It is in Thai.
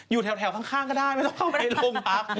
อยู่แถวข้างก็ได้ไม่ต้องเข้าไปในโรงพัก